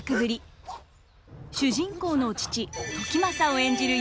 主人公の父時政を演じる